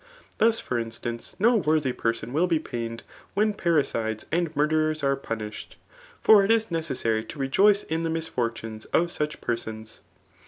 Thus for instance, no worthy person will be pained, when parricides and murderers are punished. For it is necessary to rejoice in the misfortunes of such persons.